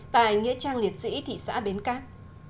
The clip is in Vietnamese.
tại nghĩa trang liệt sĩ thị xã bến cát